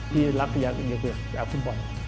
พี่รักอย่างเกี่ยวกับคุดบอล